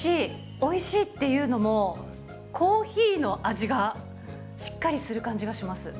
おいしいっていうのも、コーヒーの味がしっかりする感じがします。